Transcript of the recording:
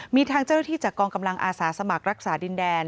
มีทางเจ้าหน้าที่จากกองกำลังอาสาสมัครรักษาดินแดน